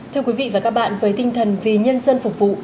thưa quý vị và các bạn với tinh thần vì nhân dân phục vụ